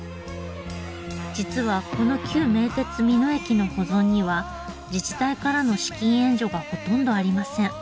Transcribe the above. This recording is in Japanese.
実はこの旧名鉄美濃駅の保存には自治体からの資金援助がほとんどありません。